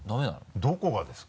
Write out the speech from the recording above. どこがですか？